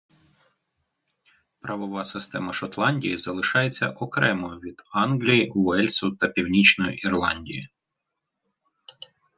Правова система Шотландії залишається окремою від Англії, Уельсу та Північної Ірландії.